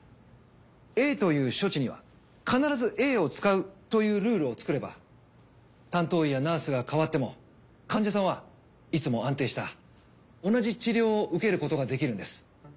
Ａという処置には必ずＡを使うというルールを作れば担当医やナースが変わっても患者さんはいつも安定した同じ治療を受けることができるんです。